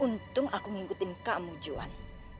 untung aku ngikutin kamu juan